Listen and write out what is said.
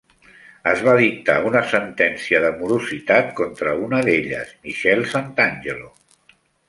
Es va dictar una sentència de morositat contra una d'elles, Michelle Santangelo.